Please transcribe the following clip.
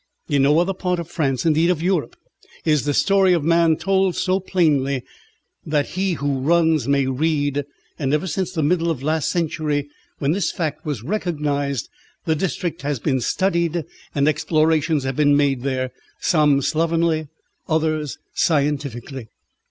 In no other part of France, indeed of Europe, is the story of man told so plainly, that he who runs may read; and ever since the middle of last century, when this fact was recognised, the district has been studied, and explorations have been made there, some slovenly, others scientifically.